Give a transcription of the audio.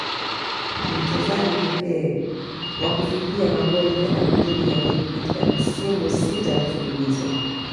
Ni mchezaji pekee wa kufikia magoli thelathini ya ligi katika misimu sita mfululizo